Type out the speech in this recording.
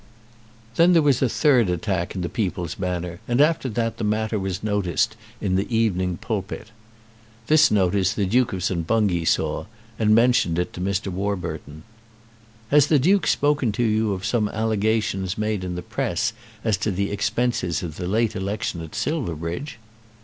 Then there was a third attack in the "People's Banner," and after that the matter was noticed in the "Evening Pulpit." This notice the Duke of St. Bungay saw and mentioned to Mr. Warburton. "Has the Duke spoken to you of some allegations made in the press as to the expenses of the late election at Silverbridge?"